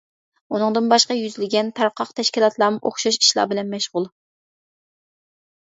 ئۇنىڭدىن باشقا يۈزلىگەن تارقاق تەشكىلاتلارمۇ ئوخشاش ئىشلار بىلەن مەشغۇل.